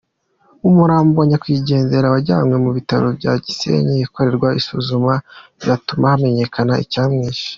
Umurambo wa Nyakwigendera wajyanywe mu bitaro bya Gisenyi gukorerwa isuzuma rizatuma hamenyekana icyamwishe.